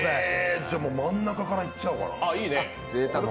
じゃあ真ん中からいっちゃおうかな。